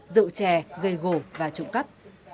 rượu chè gầy gổ và trụng cắp